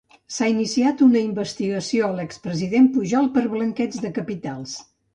S'ha iniciat una investigació a l'expresident Pujol per blanqueig de capitals.